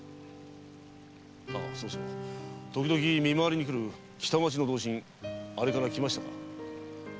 そうそうときどき見廻りに来る北町の同心あれから来ましたか。